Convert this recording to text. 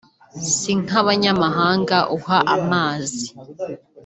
si nk’abanyamahanga uha amazi